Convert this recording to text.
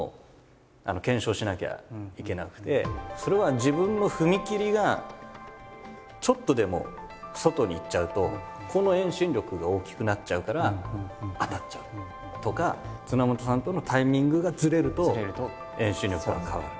それは自分の踏み切りがちょっとでも外に行っちゃうとこの遠心力が大きくなっちゃうから当たっちゃうとか綱元さんとのタイミングがずれると遠心力が変わる。